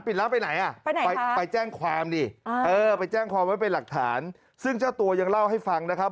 ไปไหนอ่ะไปไหนไปไปแจ้งความดิเออไปแจ้งความไว้เป็นหลักฐานซึ่งเจ้าตัวยังเล่าให้ฟังนะครับ